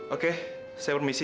oke saya permisi